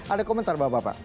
ada komentar bapak